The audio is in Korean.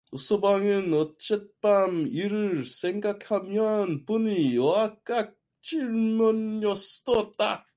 유서방은 어젯밤 일을 생각하며 분이 왈칵 치밀었다.